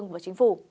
và chính phủ